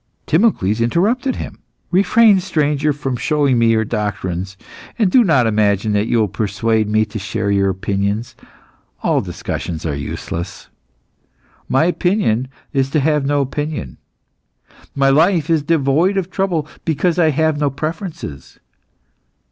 Timocles interrupted him. "Refrain, stranger, from showing me your doctrines, and do not imagine that you will persuade me to share your opinions. All discussions are useless. My opinion is to have no opinion. My life is devoid of trouble because I have no preferences.